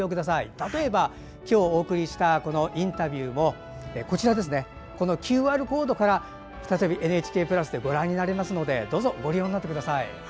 例えば今日お送りしたインタビューもＱＲコードから再び「ＮＨＫプラス」からご覧になれますのでどうぞご利用になってください。